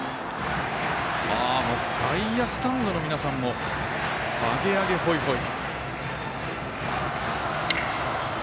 外野スタンドの皆さんも「アゲアゲホイホイ」。